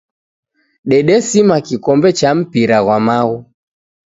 Dedesima kikombe cha mpira ghwa maghu.